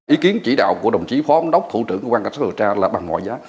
ý kiến chỉ đạo của đồng chí phó ấm đốc thủ trưởng của quan cạnh sát điều tra là bằng mọi giá